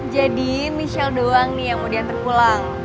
jadi michelle doang nih yang mau diantar pulang